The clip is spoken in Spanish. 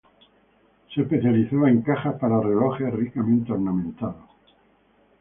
Se especializaba en cajas para relojes ricamente ornamentados.